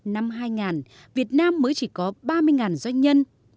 năm hai nghìn việt nam mới chỉ có ba mươi doanh nhân